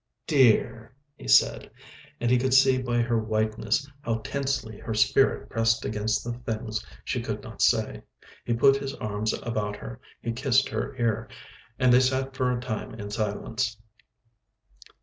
"Dear," he said, and he could see by her whiteness how tensely her spirit pressed against the things she could not say. He put his arms about her, he kissed her ear, and they sat for a time in silence.